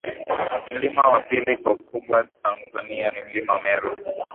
Mlima wa pili kwa ukubwa Tanzania ni Mlima Meru